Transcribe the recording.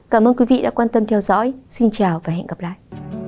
cảm ơn quý vị đã theo dõi